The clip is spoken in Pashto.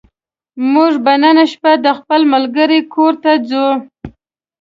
موږ به نن شپه د خپل ملګرې کور ته ځو